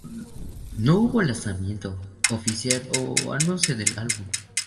No hubo lanzamiento oficial o anuncio del álbum.